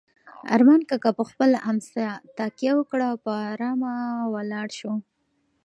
ارمان کاکا په خپله امسا تکیه وکړه او په ارامه ولاړ شو.